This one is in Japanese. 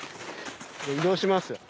移動します。